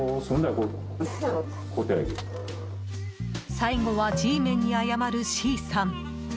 最後はＧメンに謝るＣさん。